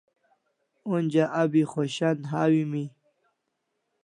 Ajo abi khoshan hawimi